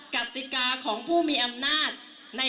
กติกาของผู้มีอำนาจ